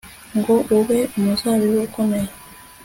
ngo ube umuzabibu ukomeye